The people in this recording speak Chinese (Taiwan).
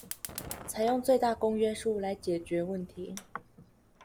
採用最大公約數來解決問題